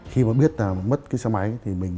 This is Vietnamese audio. khi mà biết mất xe máy